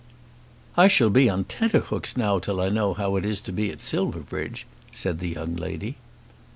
"I shall be on tenterhooks now till I know how it is to be at Silverbridge," said the young lady.